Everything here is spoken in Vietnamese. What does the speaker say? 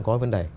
có vấn đề